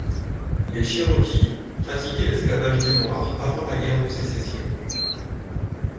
Les Cherokees pratiquaient l'esclavage des Noirs avant la guerre de Sécession.